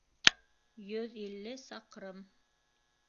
— Йөҙ илле саҡрым.